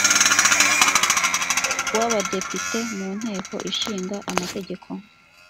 w abadepite mu nteko ishinga amategeko